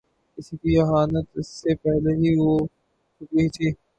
اس کی اہانت اس سے پہلے ہی ہو چکی تھی۔